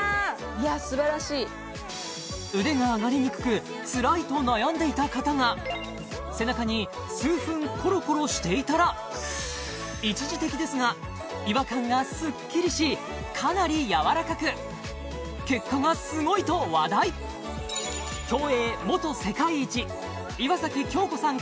いやすばらしい腕が上がりにくくつらいと悩んでいた方が背中に数分コロコロしていたら一時的ですが違和感がスッキリしかなりやわらかく結果がすごいと話題競泳元世界一岩崎恭子さん